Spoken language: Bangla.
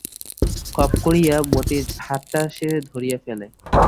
খপ করিয়া মতির হাতটা সে ধরিয়া ফেলে।